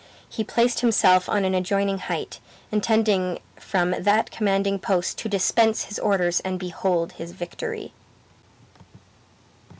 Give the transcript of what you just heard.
he placed himself on an adjoining height, intending from that commanding post to dispense his orders and behold his victory.